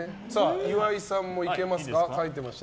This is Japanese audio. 岩井さんもいけますか？